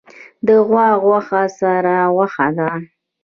د غوا غوښه سره غوښه ده